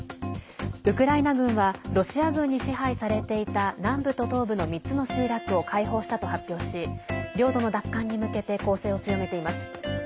ウクライナ軍はロシア軍に支配されていた南部と東部の３つの集落を解放したと発表し領土の奪還に向けて攻勢を強めています。